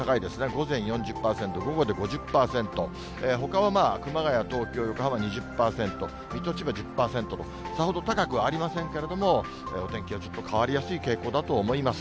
午前４０％、午後で５０％、ほかはまあ、熊谷、東京、横浜２０％、水戸、千葉１０％とさほど高くありませんけれども、お天気はちょっと変わりやすい傾向だと思います。